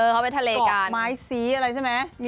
เขาไปทะเลจากไม้ซีอะไรใช่ไหม